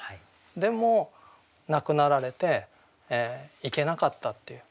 でも亡くなられて行けなかったっていう。